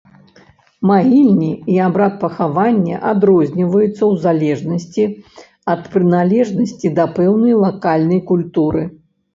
Магільні і абрад пахавання адрозніваюцца ў залежнасці ад прыналежнасці да пэўнай лакальнай культуры.